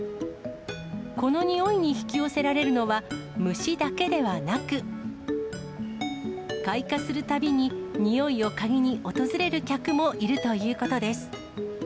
この臭いに引き寄せられるのは、虫だけではなく、開花するたびに、臭いを嗅ぎに訪れる客もいるということです。